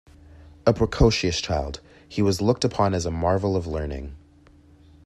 A precocious child, he was looked upon as a marvel of learning.